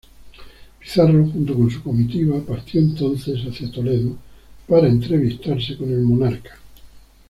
Pizarro, junto con su comitiva, partió entonces hacia Toledo para entrevistarse con el monarca.